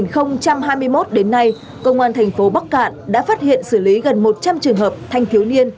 năm hai nghìn hai mươi một đến nay công an thành phố bắc cạn đã phát hiện xử lý gần một trăm linh trường hợp thanh thiếu niên